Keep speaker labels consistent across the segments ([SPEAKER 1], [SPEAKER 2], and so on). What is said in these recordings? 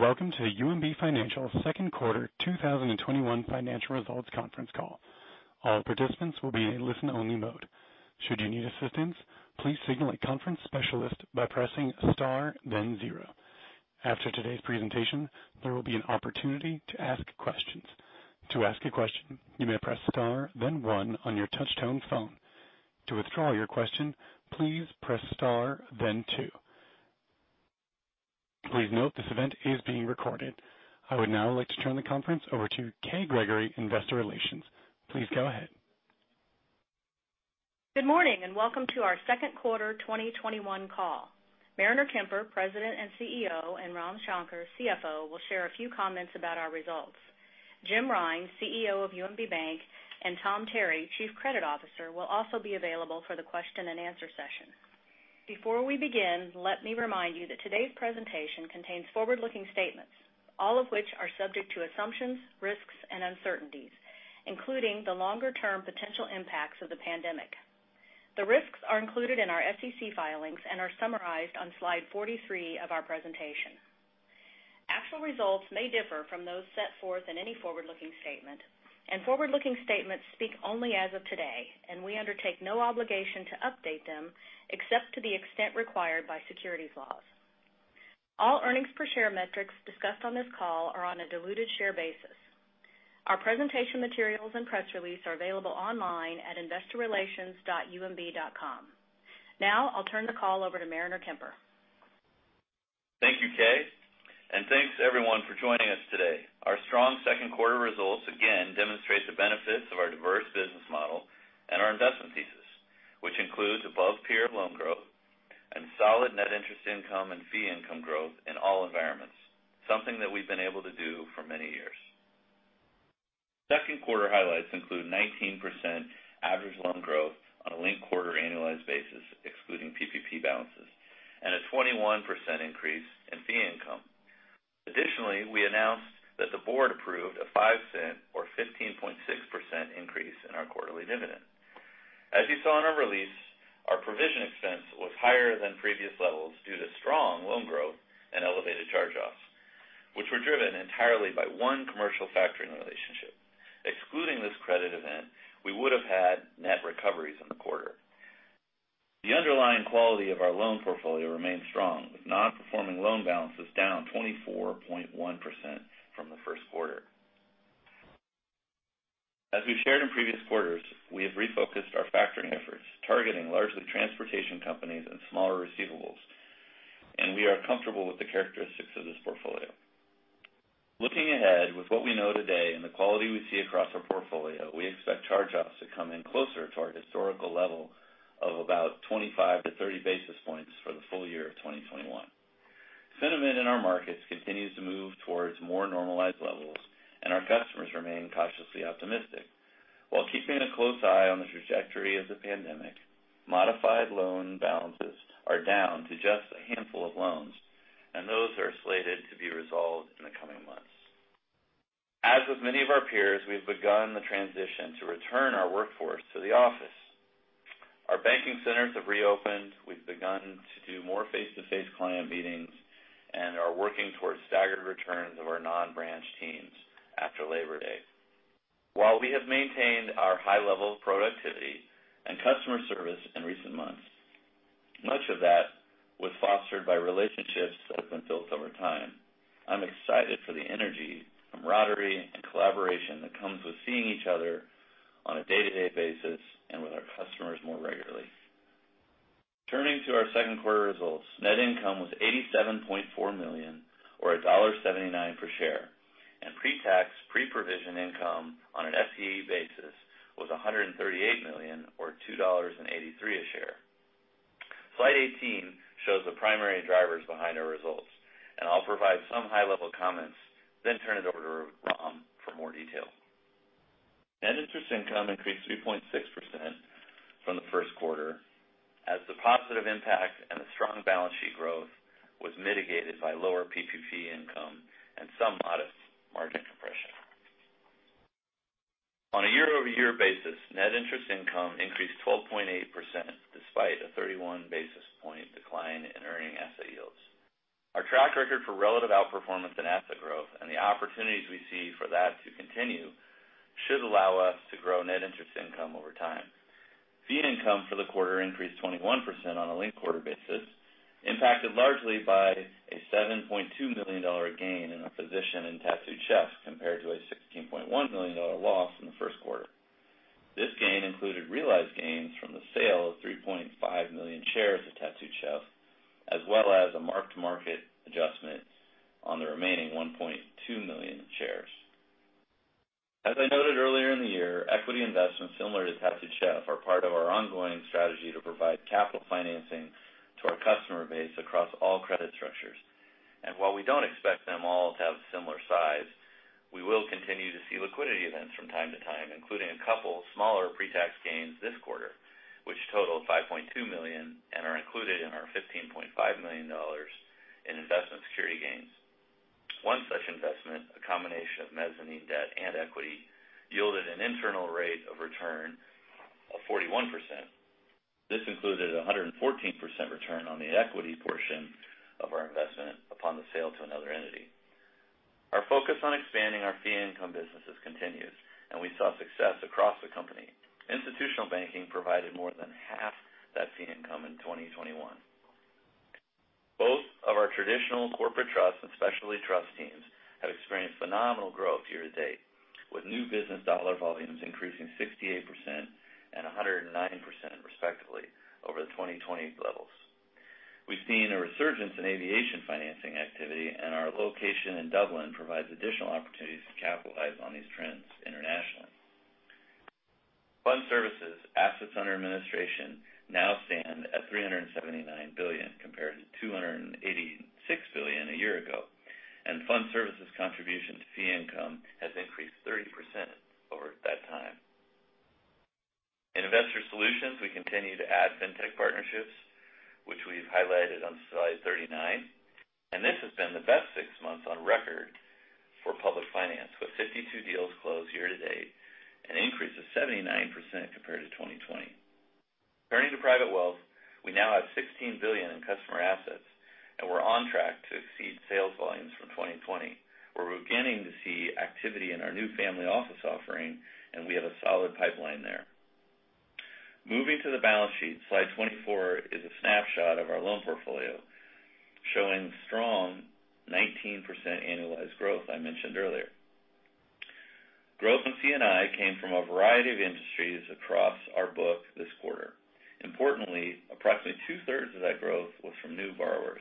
[SPEAKER 1] Good day, welcome to UMB Financial's second quarter 2021 financial results conference call. All participants will be in listen-only mode. Should you need assistance, please signal a conference specialist by pressing star then zero. After today's presentation, there will be an opportunity to ask questions. To ask a question, you may press star then one on your touchtone phone. To withdraw your question, please press star then two. Please note this event is being recorded. I would now like to turn the conference over to Kay Gregory, Investor Relations. Please go ahead.
[SPEAKER 2] Good morning, and welcome to our second quarter 2021 call. Mariner Kemper, President and CEO, and Ram Shankar, CFO, will share a few comments about our results. Jim Rine, CEO of UMB Bank, and Tom Terry, Chief Credit Officer, will also be available for the question-and-answer session. Before we begin, let me remind you that today's presentation contains forward-looking statements, all of which are subject to assumptions, risks, and uncertainties, including the longer-term potential impacts of the pandemic. The risks are included in our SEC filings and are summarized on slide 43 of our presentation. Actual results may differ from those set forth in any forward-looking statement, and forward-looking statements speak only as of today, and we undertake no obligation to update them except to the extent required by securities laws. All earnings per share metrics discussed on this call are on a diluted share basis. Our presentation materials and press release are available online at investorrelations.umb.com. Now, I'll turn the call over to Mariner Kemper.
[SPEAKER 3] Thank you, Kay. Thanks, everyone, for joining us today. Our strong second quarter results again demonstrate the benefits of our diverse business model and our investment thesis, which includes above peer loan growth and solid net interest income and fee income growth in all environments, something that we've been able to do for many years. Second quarter highlights include 19% average loan growth on a linked quarter annualized basis, excluding PPP balances, and a 21% increase in fee income. Additionally, we announced that the board approved a $0.05 or 15.6% increase in our quarterly dividend. As you saw in our release, our provision expense was higher than previous levels due to strong loan growth and elevated charge-offs, which were driven entirely by one commercial factoring relationship. Excluding this credit event, we would have had net recoveries in the quarter. The underlying quality of our loan portfolio remains strong, with non-performing loan balances down 24.1% from the first quarter. As we've shared in previous quarters, we have refocused our factoring efforts, targeting largely transportation companies and smaller receivables, and we are comfortable with the characteristics of this portfolio. Looking ahead with what we know today and the quality we see across our portfolio, we expect charge-offs to come in closer to our historical level of about 25 to 30 basis points for the full year of 2021. Sentiment in our markets continues to move towards more normalized levels, and our customers remain cautiously optimistic. While keeping a close eye on the trajectory of the pandemic, modified loan balances are down to just a handful of loans, and those are slated to be resolved in the coming months. As with many of our peers, we've begun the transition to return our workforce to the office. Our banking centers have reopened. We've begun to do more face-to-face client meetings and are working towards staggered returns of our non-branch teams after Labor Day. While we have maintained our high level of productivity and customer service in recent months, much of that was fostered by relationships that have been built over time. I'm excited for the energy, camaraderie, and collaboration that comes with seeing each other on a day-to-day basis and with our customers more regularly. Turning to our second quarter results, net income was $87.4 million or $1.79 per share, and pre-tax, pre-provision income on an FTE basis was $138 million or $2.83 a share. Slide 18 shows the primary drivers behind our results. I'll provide some high-level comments, then turn it over to Ram for more detail. Net interest income increased 3.6% from the first quarter, as the positive impact and the strong balance sheet growth was mitigated by lower PPP income and some modest margin compression. On a year-over-year basis, net interest income increased 12.8%, despite a 31 basis point decline in earning asset yields. Our track record for relative outperformance and asset growth and the opportunities we see for that to continue should allow us to grow net interest income over time. Fee income for the quarter increased 21% on a linked quarter basis, impacted largely by a $7.2 million gain in our position in Tattooed Chef, compared to a $16.1 million loss in the first quarter. This gain included realized gains from the sale of 3.5 million shares of Tattooed Chef, as well as a mark-to-market adjustment on the remaining 1.2 million shares. As I noted earlier in the year, equity investments similar to Tattooed Chef are part of our ongoing strategy to provide capital financing to our customer base across all credit structures. While we don't expect them all to have similar size, we will continue to see liquidity events from time to time, including a couple smaller pre-tax gains this quarter, which totaled $5.2 million and are included in our $15.5 million in investment security gains. One such investment, a combination of mezzanine debt and equity, yielded an internal rate of return of 41%. This included 114% return on the equity portion of our investment upon the sale to another entity. Our focus on expanding our fee income businesses continues, and we saw success across the company. Institutional banking provided more than half that fee income in 2021. Both of our traditional corporate trust and specialty trust teams have experienced phenomenal growth year to date, with new business dollar volumes increasing 68% and 109%, respectively, over the 2020 levels. We've seen a resurgence in aviation financing activity and our location in Dublin provides additional opportunities to capitalize on these trends internationally. Fund Services assets under administration now stand at $379 billion, compared to $286 billion a year ago. Fund Services' contribution to fee income has increased 30% over that time. In Investor Solutions, we continue to add fintech partnerships, which we've highlighted on slide 39. This has been the best six months on record for public finance, with 52 deals closed year to date, an increase of 79% compared to 2020. Turning to private wealth, we now have $16 billion in customer assets, we're on track to exceed sales volumes from 2020. We're beginning to see activity in our new family office offering. We have a solid pipeline there. Moving to the balance sheet, slide 24 is a snapshot of our loan portfolio, showing strong 19% annualized growth I mentioned earlier. Growth in C&I came from a variety of industries across our book this quarter. Importantly, approximately two-thirds of that growth was from new borrowers.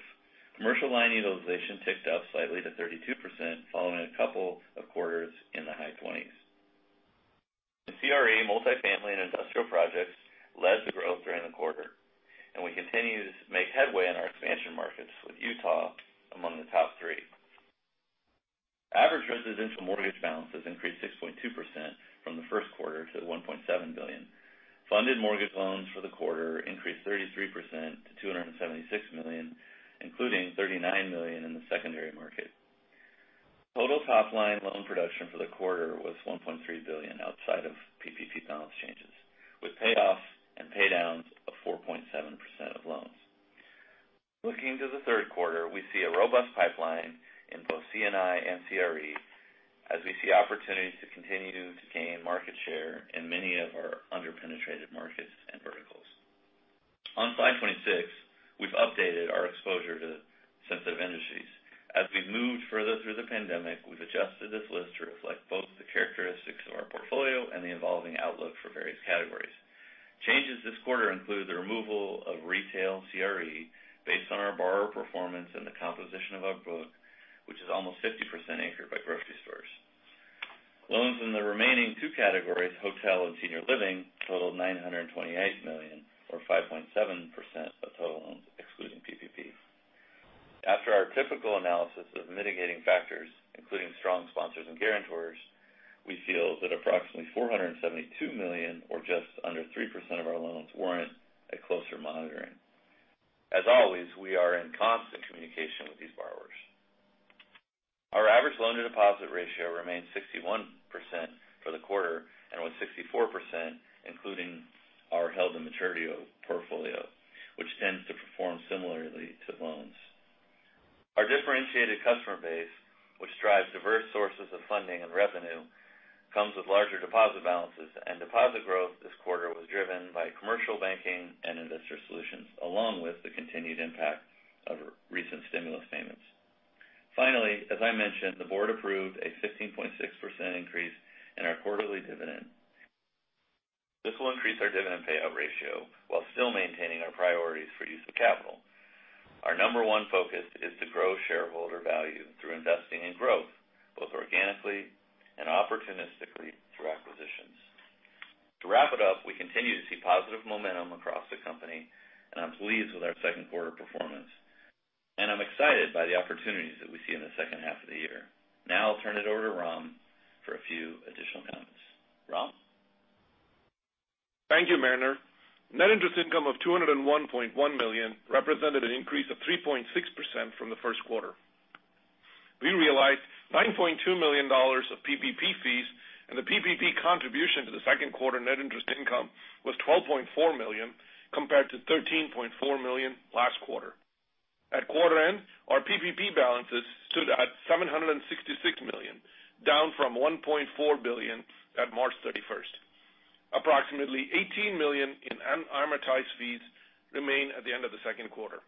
[SPEAKER 3] Commercial line utilization ticked up slightly to 32%, following a couple of quarters in the high twenties. CRE multifamily and industrial projects led to growth during the quarter. We continue to make headway in our expansion markets, with Utah among the top three. Average residential mortgage balances increased 6.2% from the first quarter to $1.7 billion. Funded mortgage loans for the quarter increased 33% to $276 million, including $39 million in the secondary market. Total top line loan production for the quarter was $1.3 billion outside of PPP balance changes, with payoffs and pay downs of 4.7% of loans. Looking to the third quarter, we see a robust pipeline in both C&I and CRE as we see opportunities to continue to gain market share in many of our under-penetrated markets and verticals. On slide 26, we've updated our exposure to sensitive industries. As we've moved further through the pandemic, we've adjusted this list to reflect both the characteristics of our portfolio and the evolving outlook for various categories. Changes this quarter include the removal of retail CRE based on our borrower performance and the composition of our book, which is almost 50% anchored by grocery stores. Loans in the remaining two categories, hotel and senior living, totaled $928 million, or 5.7% of total loans excluding PPP. After our typical analysis of mitigating factors, including strong sponsors and guarantors, we feel that approximately $472 million, or just under 3% of our loans, warrant a closer monitoring. As always, we are in constant communication with these borrowers. Our average loan-to-deposit ratio remains 61% for the quarter and was 64%, including our held-to-maturity portfolio, which tends to perform similarly to loans. Our differentiated customer base, which drives diverse sources of funding and revenue, comes with larger deposit balances. Deposit growth this quarter was driven by commercial banking and Investor Solutions, along with the continued impact of recent stimulus payments. Finally, as I mentioned, the board approved a 15.6% increase in our quarterly dividend. This will increase our dividend payout ratio while still maintaining our priorities for use of capital. Our number one focus is to grow shareholder value through investing in growth, both organically and opportunistically through acquisitions. To wrap it up, we continue to see positive momentum across the company, and I'm pleased with our second quarter performance. I'm excited by the opportunities that we see in the second half of the year. Now I'll turn it over to Ram for a few additional comments. Ram?
[SPEAKER 4] Thank you, Mariner. Net interest income of $201.1 million represented an increase of 3.6% from the first quarter. We realized $9.2 million of PPP fees, and the PPP contribution to the second quarter net interest income was $12.4 million, compared to $13.4 million last quarter. At quarter end, our PPP balances stood at $766 million, down from $1.4 billion at March 31st. Approximately $18 million in unamortized fees remained at the end of the second quarter.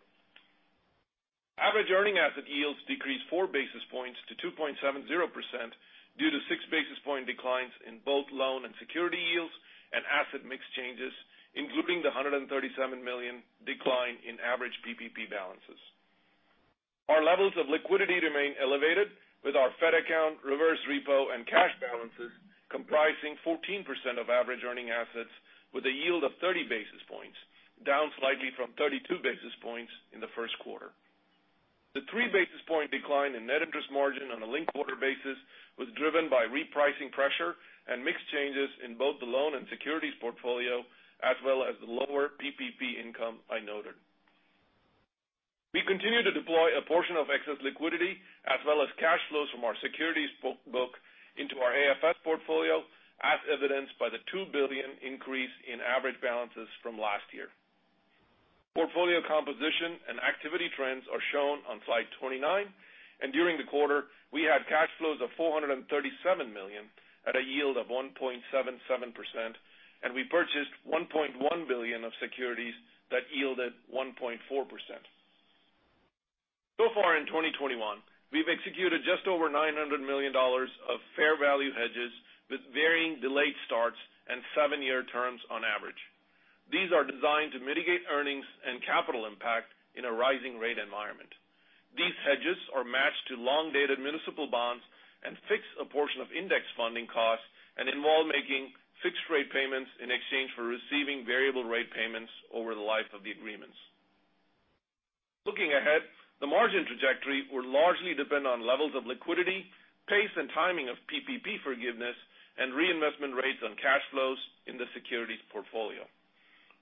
[SPEAKER 4] Average earning asset yields decreased 4 basis points to 2.70% due to 6 basis point declines in both loan and security yields and asset mix changes, including the $137 million decline in average PPP balances. Our levels of liquidity remain elevated, with our Fed account, reverse repo, and cash balances comprising 14% of average earning assets with a yield of 30 basis points, down slightly from 32 basis points in the first quarter. The 3 basis point decline in net interest margin on a linked-quarter basis was driven by repricing pressure and mix changes in both the loan and securities portfolio, as well as the lower PPP income I noted. We continue to deploy a portion of excess liquidity as well as cash flows from our securities book into our AFS portfolio, as evidenced by the $2 billion increase in average balances from last year. Portfolio composition and activity trends are shown on slide 29. During the quarter, we had cash flows of $437 million at a yield of 1.77%, and we purchased $1.1 billion of securities that yielded 1.4%. So far in 2021, we've executed just over $900 million of fair value hedges with varying delayed starts and 7-year terms on average. These are designed to mitigate earnings and capital impact in a rising rate environment. These hedges are matched to long-dated municipal bonds and fix a portion of index funding costs and involve making fixed rate payments in exchange for receiving variable rate payments over the life of the agreements. Looking ahead, the margin trajectory will largely depend on levels of liquidity, pace and timing of PPP forgiveness, and reinvestment rates on cash flows in the securities portfolio.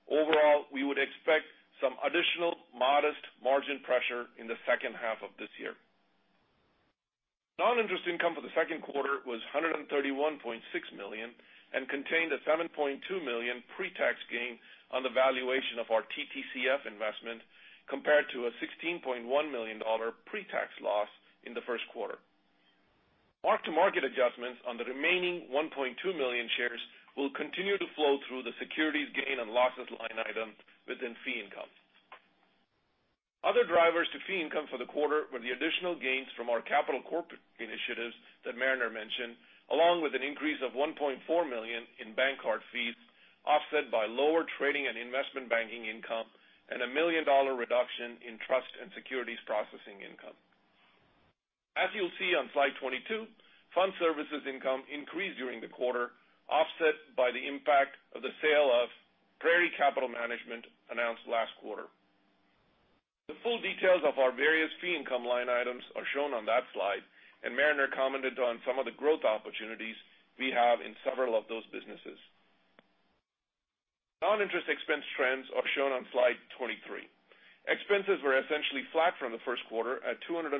[SPEAKER 4] Overall, we would expect some additional modest margin pressure in the second half of this year. Non-interest income for the second quarter was $131.6 million and contained a $7.2 million pre-tax gain on the valuation of our TTCF investment, compared to a $16.1 million pre-tax loss in the first quarter. Mark-to-market adjustments on the remaining $1.2 million shares will continue to flow through the securities gain and losses line item within fee income. Other drivers to fee income for the quarter were the additional gains from our capital corporate initiatives that Mariner mentioned, along with an increase of $1.4 million in bank card fees, offset by lower trading and investment banking income and a million-dollar reduction in trust and securities processing income. As you'll see on slide 22, Fund Services income increased during the quarter, offset by the impact of the sale of Prairie Capital Management announced last quarter. The full details of our various fee income line items are shown on that slide, and Mariner commented on some of the growth opportunities we have in several of those businesses. Non-interest expense trends are shown on slide 23. Expenses were essentially flat from the first quarter at $201.3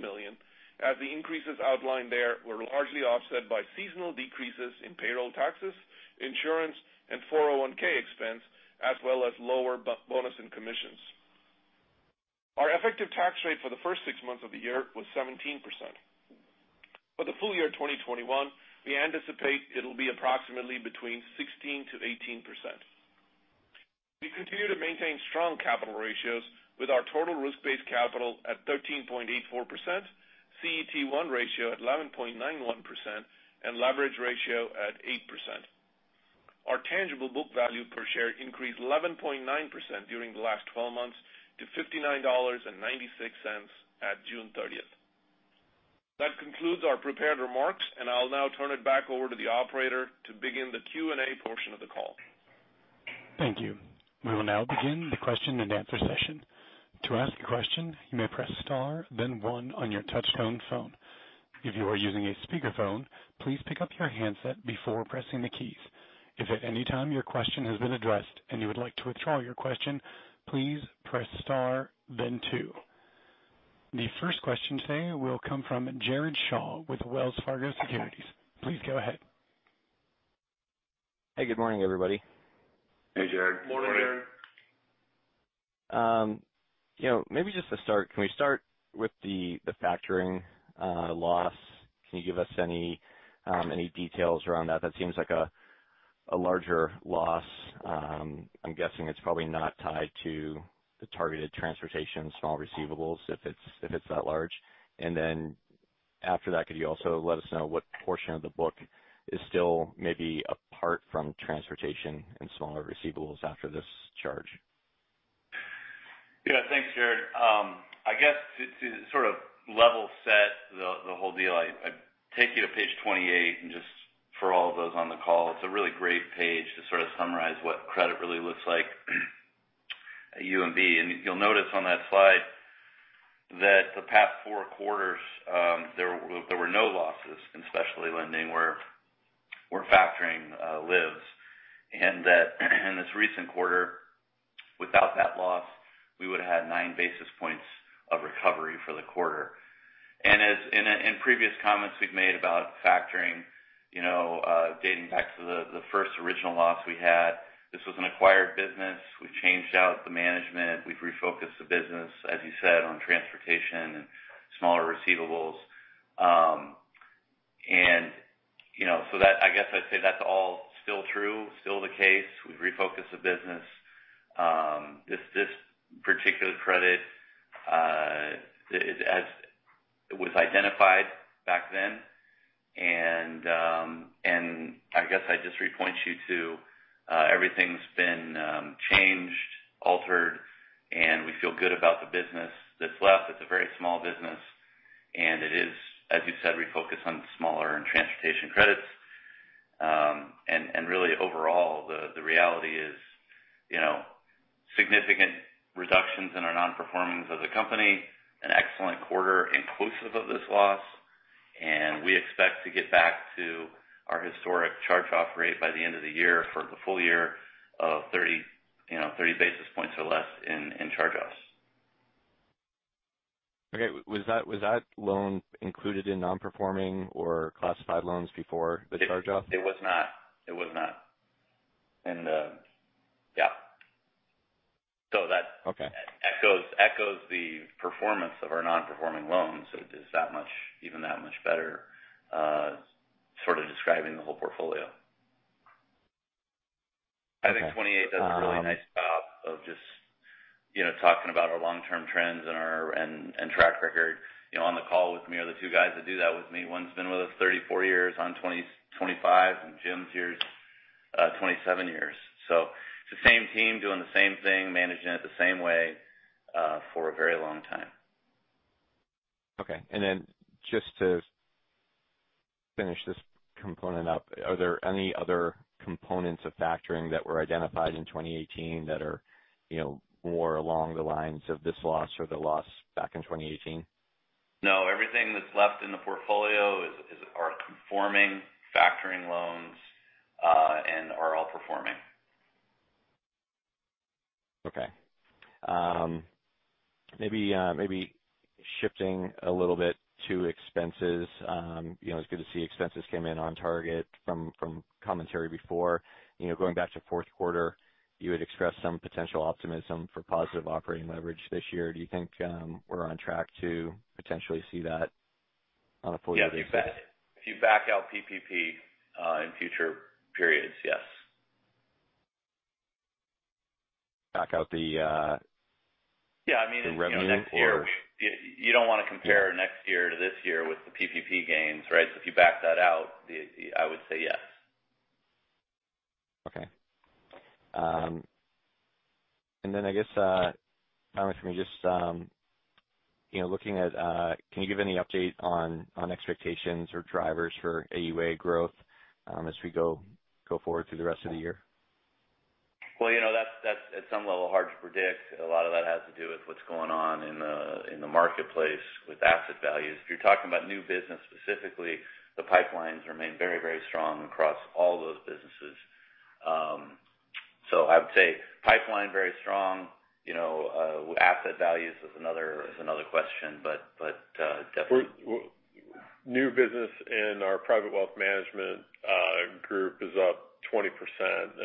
[SPEAKER 4] million, as the increases outlined there were largely offset by seasonal decreases in payroll taxes, insurance, and 401(k) expense, as well as lower bonus and commissions. Our effective tax rate for the first six months of the year was 17%. For the full year 2021, we anticipate it'll be approximately between 16%-18%. We continue to maintain strong capital ratios with our total risk-based capital at 13.84%, CET1 ratio at 11.91%, and leverage ratio at 8%. Our tangible book value per share increased 11.9% during the last 12 months to $59.96 at June 30th. That concludes our prepared remarks, and I'll now turn it back over to the operator to begin the Q&A portion of the call.
[SPEAKER 1] Thank you. We will now begin the question-and-answer session. To ask a question, you may press star then one on your touchtone phone. If you're on your speaker phone, please put on your handset before pressing the keys. If at any time your question has been addressed and you would like to withdraw the question, please press star then two. The first question today will come from Jared Shaw with Wells Fargo Securities. Please go ahead.
[SPEAKER 5] Hey, good morning, everybody.
[SPEAKER 3] Hey, Jared. Good morning.
[SPEAKER 4] Morning, Jared.
[SPEAKER 5] Maybe just to start, can we start with the factoring loss? Can you give us any details around that? That seems like a larger loss. I'm guessing it's probably not tied to the targeted transportation small receivables if it's that large. After that, could you also let us know what portion of the book is still maybe apart from transportation and smaller receivables after this charge?
[SPEAKER 4] Thanks, Jared. I guess to sort of level set the whole deal, I'd take you to page 28. Just for all those on the call, it's a really great page to sort of summarize what credit really looks like at UMB. You'll notice on that slide that the past four quarters, there were no losses in specialty lending where factoring lives. That in this recent quarter, without that loss, we would've had 9 basis points of recovery for the quarter. As in previous comments we've made about factoring dating back to the first original loss we had, this was an acquired business. We've changed out the management. We've refocused the business, as you said, on transportation and smaller receivables. I guess I'd say that's all still true, still the case. We've refocused the business. This particular credit was identified back then, and I guess I'd just repoint you to everything's been changed, altered, and we feel good about the business that's left. It's a very small business, and it is, as you said, refocused on smaller and transportation credits.
[SPEAKER 3] Really overall, the reality is significant reductions in our non-performances of the company, an excellent quarter inclusive of this loss. We expect to get back to our historic charge-off rate by the end of the year for the full year of 30 basis points or less in charge-offs.
[SPEAKER 5] Okay. Was that loan included in non-performing or classified loans before the charge-off?
[SPEAKER 3] It was not. yeah.
[SPEAKER 5] Okay
[SPEAKER 3] That echoes the performance of our non-performing loans. It is even that much better sort of describing the whole portfolio. I think 28 does a really nice job of just talking about our long-term trends and track record. On the call with me are the two guys that do that with me. One's been with us 34 years on 2025, and Jim's here 27 years. It's the same team doing the same thing, managing it the same way, for a very long time.
[SPEAKER 5] Okay. Just to finish this component up, are there any other components of factoring that were identified in 2018 that are more along the lines of this loss or the loss back in 2018?
[SPEAKER 3] No, everything that's left in the portfolio are conforming factoring loans, and are all performing.
[SPEAKER 5] Okay. Maybe shifting a little bit to expenses. It's good to see expenses came in on target from commentary before. Going back to fourth quarter, you had expressed some potential optimism for positive operating leverage this year. Do you think we're on track to potentially see that on a full year basis?
[SPEAKER 3] Yeah. If you back out PPP, in future periods, yes.
[SPEAKER 5] Back out the.
[SPEAKER 3] Yeah.
[SPEAKER 5] the revenue for...
[SPEAKER 3] You don't want to compare next year to this year with the PPP gains, right? If you back that out, I would say yes.
[SPEAKER 5] Okay. Then I guess, Thomas, for me just looking at, can you give any update on expectations or drivers for AUA growth as we go forward through the rest of the year?
[SPEAKER 3] Well, that's at some level hard to predict. A lot of that has to do with what's going on in the marketplace with asset values. If you're talking about new business specifically, the pipelines remain very strong across all those businesses. I would say pipeline very strong. Asset values is another question.
[SPEAKER 6] New business in our private wealth management group is up 20%.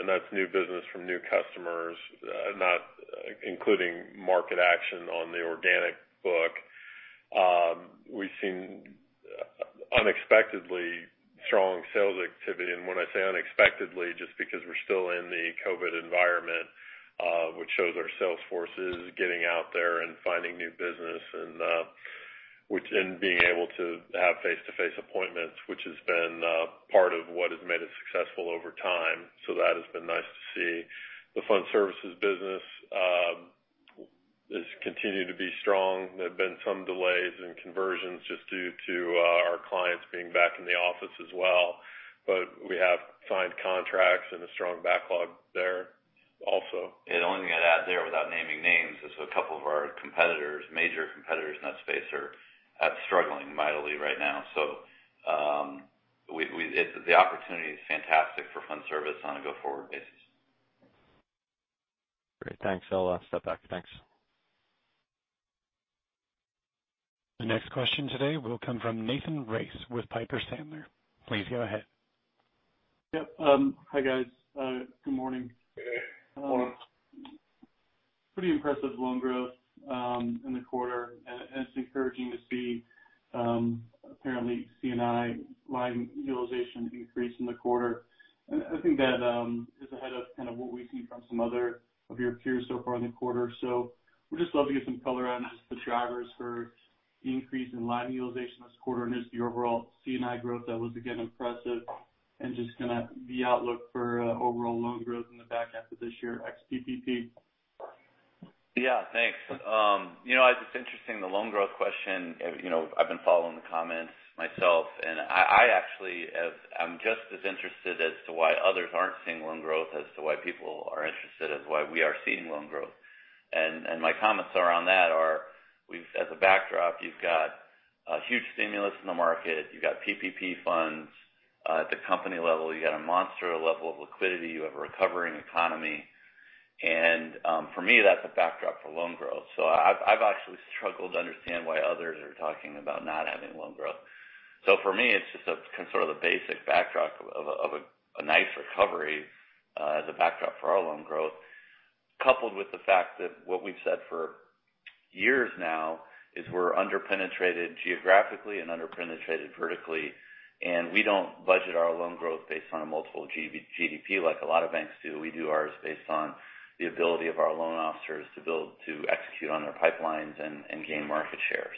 [SPEAKER 6] That's new business from new customers, not including market action on the organic book. We've seen unexpectedly strong sales activity. When I say unexpectedly, just because we're still in the COVID environment, which shows our sales forces getting out there and finding new business and being able to have face-to-face appointments, which has been part of what has made us successful over time. That has been nice to see. The Fund Services business has continued to be strong. There's been some delays in conversions just due to our clients being back in the office as well, but we have signed contracts and a strong backlog there also.
[SPEAKER 3] The only thing I'd add there without naming names is a couple of our competitors, major competitors in that space, are struggling mightily right now. The opportunity is fantastic for fund service on a go-forward basis.
[SPEAKER 5] Great. Thanks. I'll step back. Thanks.
[SPEAKER 1] The next question today will come from Nathan Race with Piper Sandler. Please go ahead.
[SPEAKER 7] Yep. Hi, guys. Good morning.
[SPEAKER 3] Good morning.
[SPEAKER 6] Morning.
[SPEAKER 7] Pretty impressive loan growth, in the quarter, and it's encouraging to see, apparently C&I line utilization increase in the quarter. I think that is ahead of kind of what we see from some other of your peers so far in the quarter. Would just love to get some color on the drivers for the increase in line utilization this quarter and just the overall C&I growth that was again impressive and just kind of the outlook for overall loan growth in the back half of this year ex PPP.
[SPEAKER 3] Yeah, thanks. It's interesting the loan growth question. I've been following the comments myself, I actually am just as interested as to why others aren't seeing loan growth as to why people are interested as why we are seeing loan growth. My comments are on that are as a backdrop, you've got a huge stimulus in the market. You've got PPP funds. At the company level, you've got a monster level of liquidity. You have a recovering economy, for me, that's a backdrop for loan growth. I've actually struggled to understand why others are talking about not having loan growth. For me, it's just sort of the basic backdrop of a nice recovery as a backdrop for our loan growth, coupled with the fact that what we've said for years now is we're under-penetrated geographically and under-penetrated vertically, and we don't budget our loan growth based on a multiple GDP like a lot of banks do. We do ours based on the ability of our loan officers to build, to execute on their pipelines and gain market share.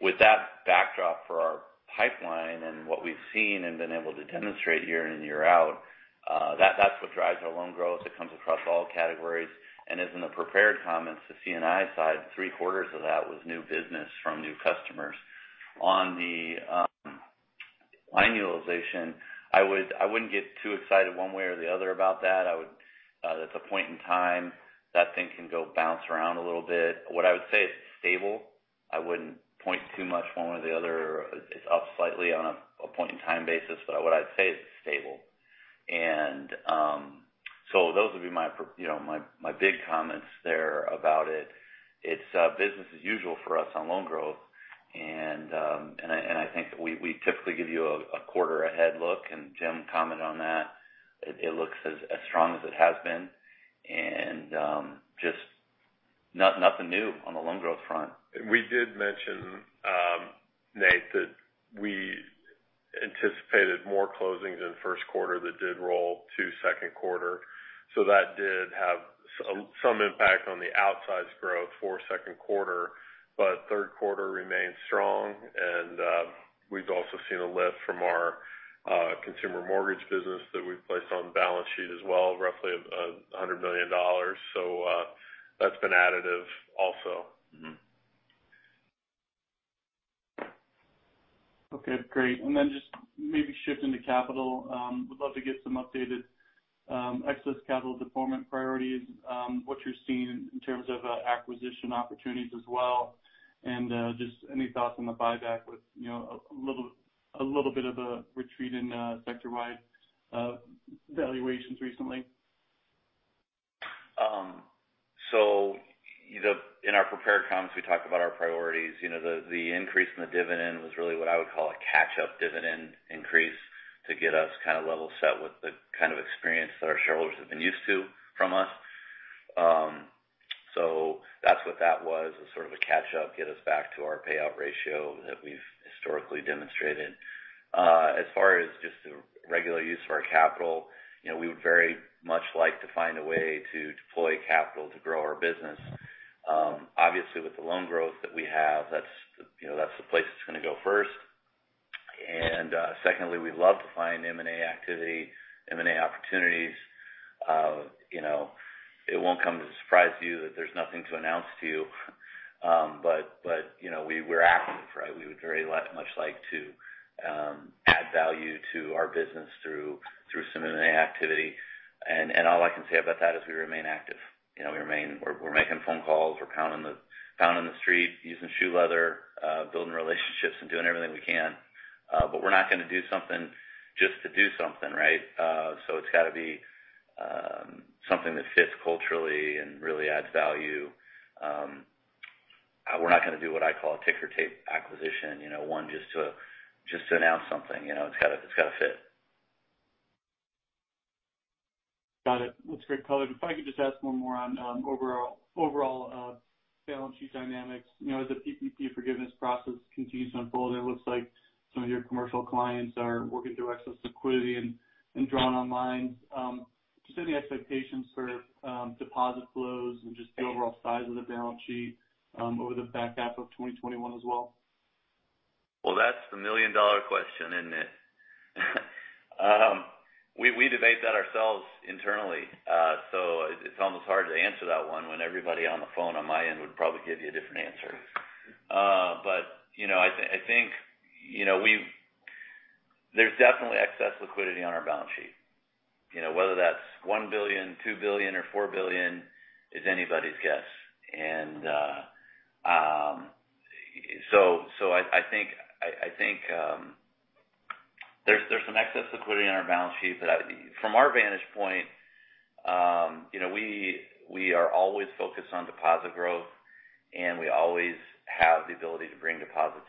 [SPEAKER 3] With that backdrop for our pipeline and what we've seen and been able to demonstrate year in and year out, that's what drives our loan growth. It comes across all categories, and as in the prepared comments, the C&I side, three-quarters of that was new business from new customers. On the annualization, I wouldn't get too excited one way or the other about that. That's a point in time. That thing can go bounce around a little bit. What I would say, it's stable. I wouldn't point too much one way or the other. It's up slightly on a point-in-time basis, but what I'd say is it's stable. Those would be my big comments there about it. It's business as usual for us on loan growth, and I think we typically give you a quarter ahead look, and Jim Rine commented on that. It looks as strong as it has been. Just nothing new on the loan growth front.
[SPEAKER 6] We did mention, Nate, that we anticipated more closings in the first quarter that did roll to second quarter. That did have some impact on the outsize growth for second quarter. Third quarter remains strong, and we've also seen a lift from our consumer mortgage business that we've placed on the balance sheet as well, roughly $100 million. That's been additive also.
[SPEAKER 7] Okay, great. Just maybe shifting to capital. Would love to get some updated excess capital deployment priorities, what you're seeing in terms of acquisition opportunities as well. Just any thoughts on the buyback with a little bit of a retreat in sector-wide valuations recently.
[SPEAKER 3] In our prepared comments, we talked about our priorities. The increase in the dividend was really what I would call a catch-up dividend increase to get us kind of level set with the kind of experience that our shareholders have been used to from us. That's what that was, a sort of a catch-up, get us back to our payout ratio that we've historically demonstrated. As far as just the regular use of our capital, we would very much like to find a way to deploy capital to grow our business. Obviously, with the loan growth that we have, that's the place it's going to go first. Secondly, we'd love to find M&A activity, M&A opportunities. It won't come to surprise you that there's nothing to announce to you. We're active. We would very much like to add value to our business through some M&A activity, and all I can say about that is we remain active. We're making phone calls, we're pounding the street, using shoe leather, building relationships, and doing everything we can. We're not going to do something just to do something. It's got to be something that fits culturally and really adds value. We're not going to do what I call a ticker tape acquisition, one just to announce something. It's got to fit.
[SPEAKER 7] Got it. That's great color. If I could just ask one more on overall balance sheet dynamics. As the PPP forgiveness process continues to unfold, it looks like some of your commercial clients are working through excess liquidity and drawing on lines. Just any expectations for deposit flows and just the overall size of the balance sheet over the back half of 2021 as well?
[SPEAKER 3] Well, that's the million-dollar question, isn't it? It's almost hard to answer that one when everybody on the phone on my end would probably give you a different answer. I think there's definitely excess liquidity on our balance sheet. Whether that's $1 billion, $2 billion, or $4 billion is anybody's guess. I think there's some excess liquidity on our balance sheet, but from our vantage point, we are always focused on deposit growth, and we always have the ability to bring deposits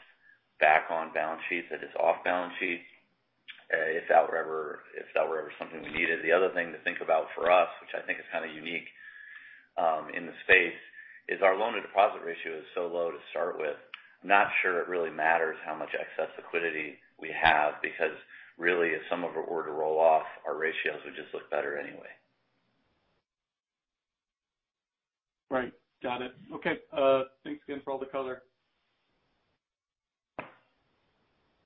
[SPEAKER 3] back on balance sheets that is off balance sheet if that were ever something we needed. The other thing to think about for us, which I think is kind of unique in the space, is our loan-to-deposit ratio is so low to start with. I'm not sure it really matters how much excess liquidity we have, because really, if some of it were to roll off, our ratios would just look better anyway.
[SPEAKER 7] Right. Got it. Okay. Thanks again for all the color.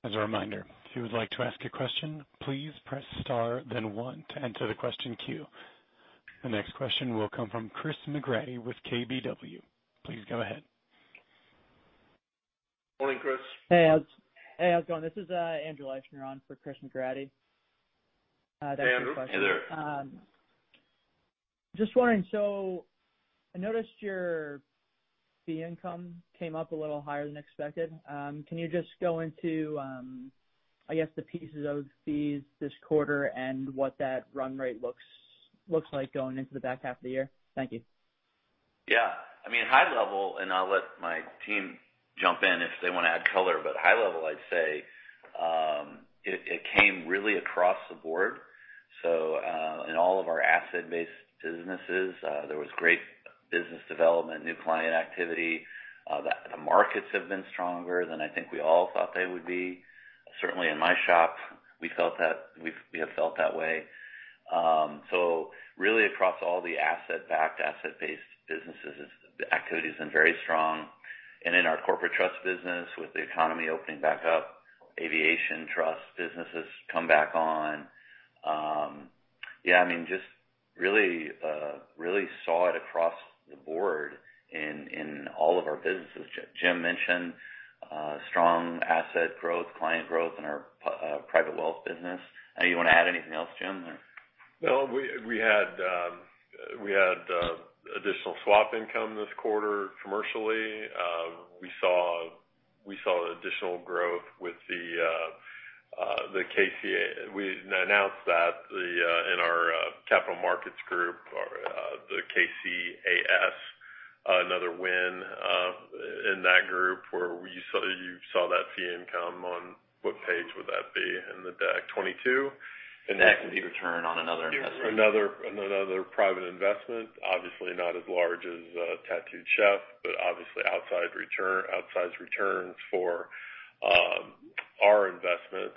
[SPEAKER 1] As a reminder, if you would like to ask a question, please press star then one to enter the question queue. The next question will come from Chris McGratty with KBW. Please go ahead.
[SPEAKER 3] Morning, Chris.
[SPEAKER 8] Hey, how's it going? This is Andrew Eichner on for Chris McGratty.
[SPEAKER 3] Hey, Andrew. Hey there.
[SPEAKER 8] Just wondering, I noticed your fee income came up a little higher than expected. Can you just go into, I guess, the pieces of fees this quarter and what that run rate looks like going into the back half of the year? Thank you.
[SPEAKER 3] I mean, high level, and I'll let my team jump in if they want to add color, but high level, I'd say it came really across the board. In all of our asset-based businesses, there was great business development, new client activity. The markets have been stronger than I think we all thought they would be. Certainly in my shop, we have felt that way. Really across all the asset-backed, asset-based businesses, the activity's been very strong. In our corporate trust business, with the economy opening back up, aviation trust business has come back on. Just really saw it across the board in all of our businesses. Jim mentioned strong asset growth, client growth in our private wealth business. You want to add anything else, Jim?
[SPEAKER 6] No. We had additional swap income this quarter commercially. We saw additional growth with the KC. We announced that in our capital markets group, the KCAS, another win in that group where you saw that fee income on, what page would that be in the deck? 22?
[SPEAKER 3] That would be return on another investment.
[SPEAKER 6] Another private investment. Obviously not as large as Tattooed Chef, but obviously outsized returns for our investment.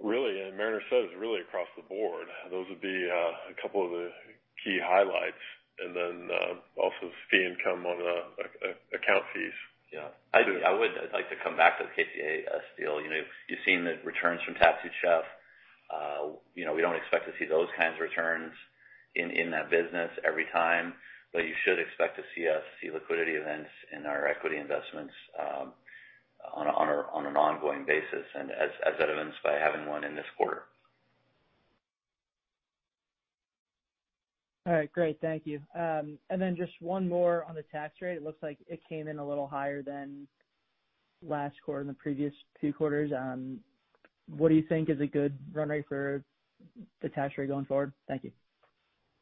[SPEAKER 6] Really, and Mariner says, really across the board. Those would be a couple of the key highlights. Also fee income on account fees.
[SPEAKER 3] Yeah. I would like to come back to the KCAS deal. You've seen the returns from Tattooed Chef. We don't expect to see those kinds of returns in that business every time, but you should expect to see us see liquidity events in our equity investments on an ongoing basis, and as evidenced by having one in this quarter.
[SPEAKER 8] All right. Great. Thank you. Just one more on the tax rate. It looks like it came in a little higher than last quarter and the previous two quarters. What do you think is a good run rate for the tax rate going forward? Thank you.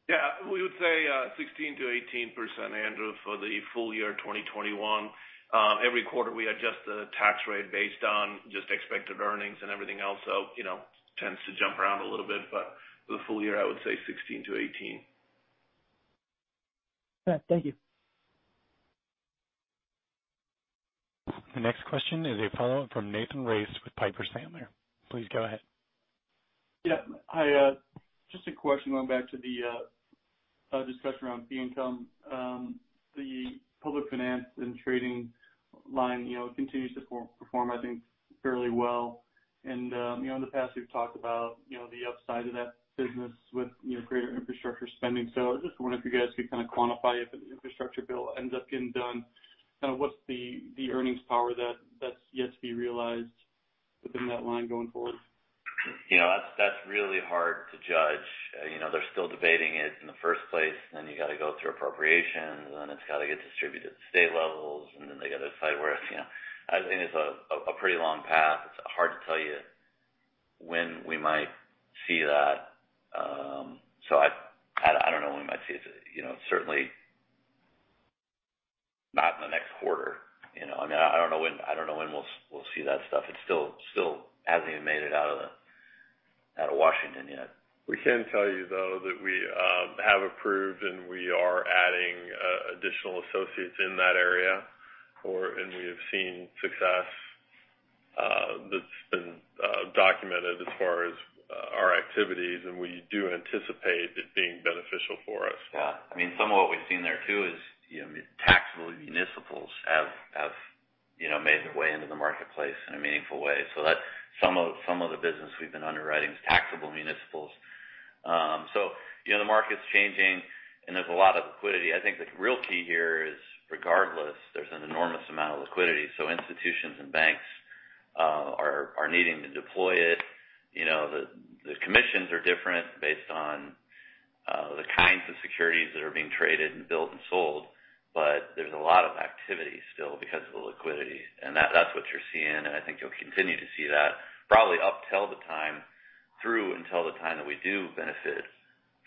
[SPEAKER 4] Yeah. We would say 16%-18%, Andrew, for the full year 2021. Every quarter, we adjust the tax rate based on just expected earnings and everything else. It tends to jump around a little bit. For the full year, I would say 15%-18%.
[SPEAKER 8] Yeah. Thank you.
[SPEAKER 1] The next question is a follow-up from Nathan Race with Piper Sandler. Please go ahead.
[SPEAKER 7] Yeah. Just a question going back to the discussion around fee income. The public finance and trading line continues to perform, I think, fairly well. In the past, you've talked about the upside of that business with greater infrastructure spending. I was just wondering if you guys could kind of quantify if an infrastructure bill ends up getting done, kind of what's the earnings power that's yet to be realized within that line going forward?
[SPEAKER 3] Yeah. That's really hard to judge. They're still debating it in the first place, and then you got to go through appropriations, and then it's got to get distributed to state levels, and then they got to decide I think it's a pretty long path. It's hard to tell you when we might see that. I don't know when we might see it. Certainly not in the next quarter. I don't know when we'll see that stuff. It still hasn't even made it out of Washington yet.
[SPEAKER 6] We can tell you, though, that we have approved and we are adding additional associates in that area, and we have seen success that's been documented as far as our activities, and we do anticipate it being beneficial for us.
[SPEAKER 3] Yeah. Some of what we've seen there too is taxable municipals have made their way into the marketplace in a meaningful way. Some of the business we've been underwriting is taxable municipals. The market's changing, and there's a lot of liquidity. I think the real key here is regardless, there's an enormous amount of liquidity. Institutions and banks are needing to deploy it. The commissions are different based on the kinds of securities that are being traded and built and sold, but there's a lot of activity still because of the liquidity. That's what you're seeing, and I think you'll continue to see that probably up till the time through until the time that we do benefit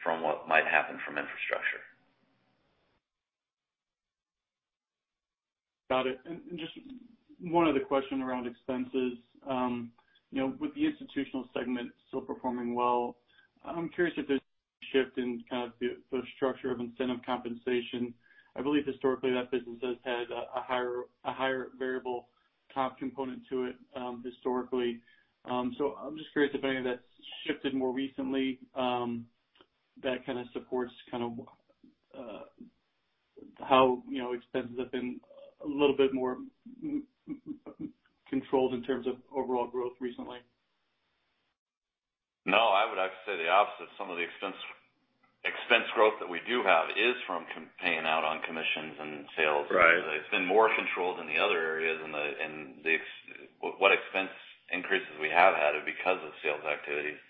[SPEAKER 3] from what might happen from infrastructure.
[SPEAKER 7] Got it. Just one other question around expenses. With the institutional segment still performing well, I'm curious if there's any shift in kind of the structure of incentive comp. I believe historically that business has had a higher variable comp component to it, historically. I'm just curious if any of that's shifted more recently that kind of supports how expenses have been a little bit more controlled in terms of overall growth recently.
[SPEAKER 3] No, I would actually say the opposite. Some of the expense growth that we do have is from paying out on commissions and sales.
[SPEAKER 7] Right.
[SPEAKER 3] It's been more controlled in the other areas, and what expense increases we have had are because of sales activities.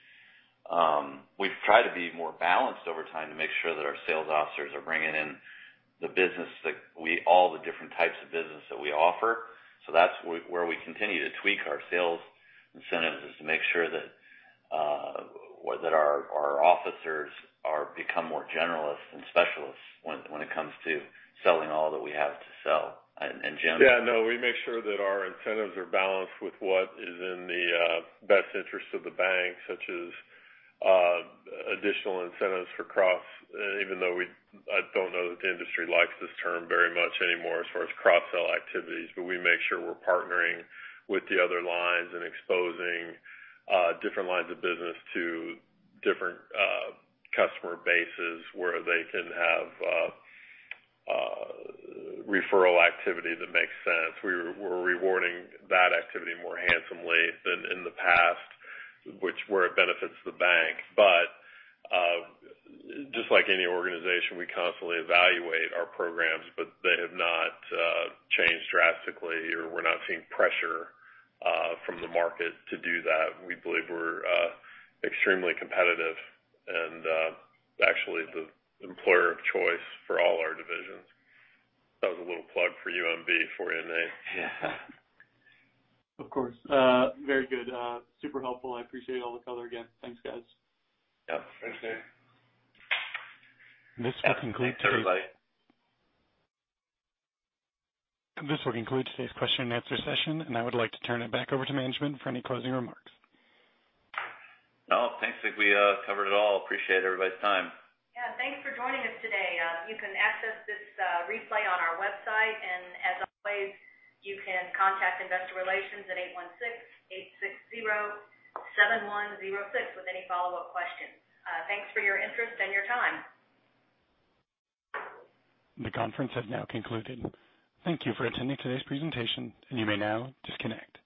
[SPEAKER 3] We've tried to be more balanced over time to make sure that our sales officers are bringing in all the different types of business that we offer. That's where we continue to tweak our sales incentives is to make sure that our officers become more generalists than specialists when it comes to selling all that we have to sell.
[SPEAKER 6] Yeah, no. We make sure that our incentives are balanced with what is in the best interest of the bank, such as additional incentives for cross, even though I don't know that the industry likes this term very much anymore as far as cross-sell activities. We make sure we're partnering with the other lines and exposing different lines of business to different customer bases where they can have referral activity that makes sense. We're rewarding that activity more handsomely than in the past, which where it benefits the bank. Just like any organization, we constantly evaluate our programs, but they have not changed drastically or we're not seeing pressure from the market to do that. We believe we're extremely competitive and actually the employer of choice for all our divisions. That was a little plug for UMB for you, Nate.
[SPEAKER 3] Yeah.
[SPEAKER 7] Of course. Very good. Super helpful. I appreciate all the color again. Thanks, guys.
[SPEAKER 3] Yep. Thanks, Nate.
[SPEAKER 1] This will conclude today.
[SPEAKER 3] Thanks, everybody.
[SPEAKER 1] This will conclude today's question-and-answer session, and I would like to turn it back over to management for any closing remarks.
[SPEAKER 3] No, I think we covered it all. Appreciate everybody's time.
[SPEAKER 2] Yeah, thanks for joining us today. You can access this replay on our website. As always, you can contact Investor Relations at 816-860-7106 with any follow-up questions. Thanks for your interest and your time.
[SPEAKER 1] The conference has now concluded. Thank you for attending today's presentation, you may now disconnect.